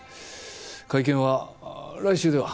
会見はあぁ来週では？